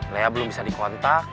lea belum bisa dikontak